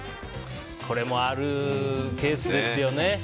これもあるケースですよね。